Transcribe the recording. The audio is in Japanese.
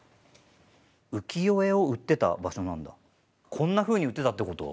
こんなふうに売ってたってこと？